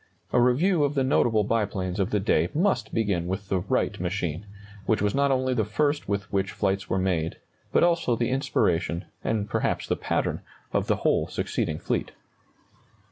A review of the notable biplanes of the day must begin with the Wright machine, which was not only the first with which flights were made, but also the inspiration and perhaps the pattern of the whole succeeding fleet.